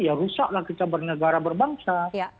ya rusaklah kita bernegara berbangsa